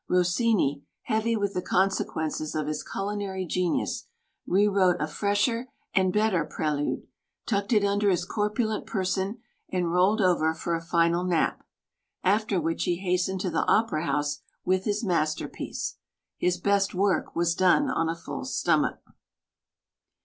Rossini, heavy with the consequences of his culinary genius, re wrote a fresher and better pre lude, tucked it under his corpulent person and rolled over for a final nap, after which he hastened to the opera house with his masterpiece. His best work was done on a fuU stomach.